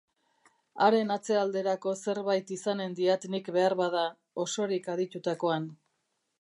Haren atzealderako zerbait izanen diat nik beharbada, osorik aditutakoan.